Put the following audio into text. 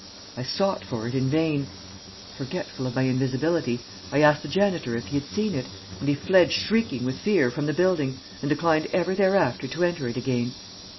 I sought for it in vain. Forgetful of my invisibility, I asked the janitor if he had seen it, and he fled shrieking with fear from the building, and declined ever thereafter to enter it again.